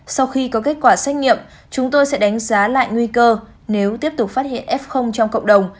sau khi có kết quả xét nghiệm chúng tôi sẽ đánh giá lại nguy cơ nếu tiếp tục phát hiện f trong cộng đồng